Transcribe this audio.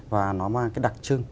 và nó mang cái đặc trưng